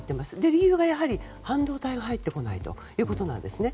理由がやはり半導体が入ってこないということですね。